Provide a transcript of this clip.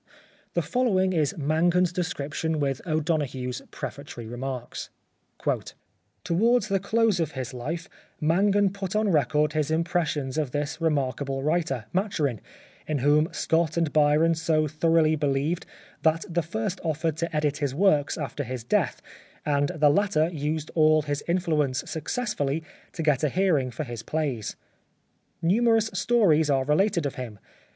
'—The following is Mangan' s description with O'Donoghue's prefatory remarks :—" Towards the close of his life Mangan put on 41 The Life of Oscar Wilde record his impressions of this remarkable writer, Maturin, in whom Scott and Byron so thoroughly believed that the first offered to edit his works after his death, and the latter used all his in fluence successfully to get a hearing for his plays. Numerous stories are related of him.